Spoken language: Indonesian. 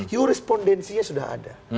jurisprondensinya sudah ada